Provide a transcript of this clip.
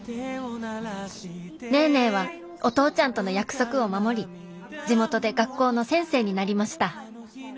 ネーネーはお父ちゃんとの約束を守り地元で学校の先生になりました。